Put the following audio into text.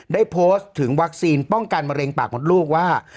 ได้โพสต์ถึงวัคซีนป้องกันมะเร็งปากมดลูกว่า